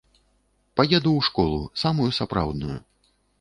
Паеду ў школу, самую сапраўдную.